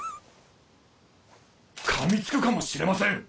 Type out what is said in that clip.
かみつくかもしれません。